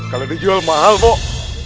kalau dijual mahal bok